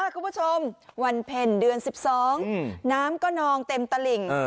คุณผู้ชมวันเพ็ญเดือน๑๒น้ำก็นองเต็มตลิ่ง